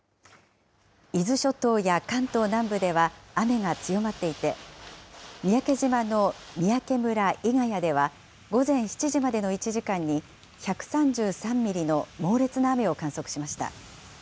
伊豆諸島や関東南部では雨が強まっていて、三宅島の三宅村伊ヶ谷では、午前７時までの１時間に、１３３ミリの猛烈な雨を観測しました。